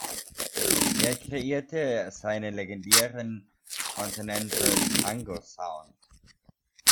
Er kreierte seinen legendären „Continental-Tango-Sound“.